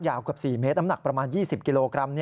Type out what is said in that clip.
ยาวกว่า๔เมตรอำนักประมาณ๒๐กิโลกรัม